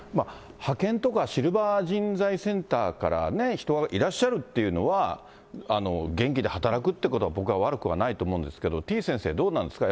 派遣とかシルバー人材センターからね、人がいらっしゃるというのは、元気で働くってことは僕は悪くないと思うんですけど、てぃ先生、どうなんですか？